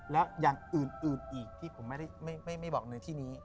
แล้วอย่างอื่นอีกที่ผมไม่บอกในที่นี้